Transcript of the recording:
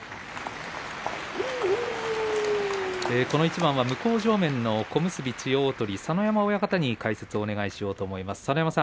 この一番は向正面の小結千代鳳、佐ノ山親方に解説をお願いしようと思います。